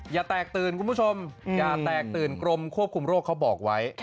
อย่าแตกตื่นคุณผู้ชมอย่าแตกตื่นกรมควบคุมโรคเขาบอกไว้